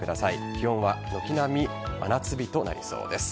気温は軒並み真夏日となりそうです。